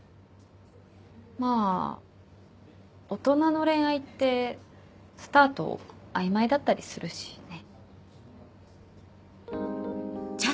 まぁ大人の恋愛ってスタート曖昧だったりするしね。